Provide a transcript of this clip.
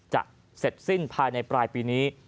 จะเสร็จสิ้นภายในปลายปีนี้